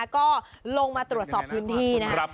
ก็ลงมาตรวจสอบพื้นที่นะครับ